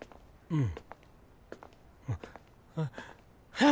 うん。